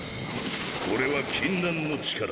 これは禁断の力